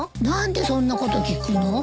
何でそんなこと聞くの？